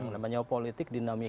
namanya politik dinamika